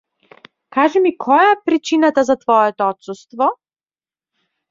Кажи ми која е причината за твоето отсуство.